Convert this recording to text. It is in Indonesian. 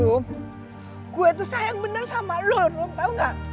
rom gue tuh sayang bener sama lo rom tau gak